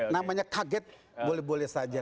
namanya kaget boleh boleh saja